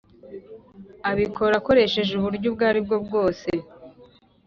Abikora akoresheje uburyo ubwo ari bwo bwose